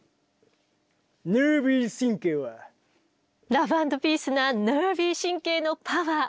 ラブ＆ピースなｎｅｒｖｙ神経のパワー。